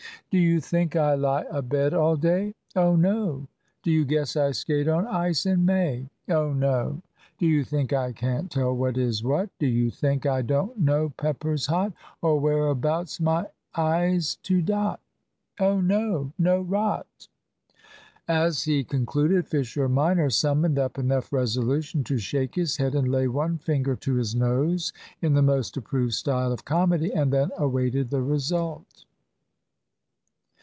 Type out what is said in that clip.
Do you think I lie abed all day? Oh no! Do you guess I skate on ice in May? Oh no! Do you think I can't tell what is what? Do you think I don't know pepper's hot? Or whereabouts my i's to dot? Oh no, no rot! As he concluded, Fisher minor summoned up enough resolution to shake his head and lay one finger to his nose in the most approved style of comedy, and then awaited the result.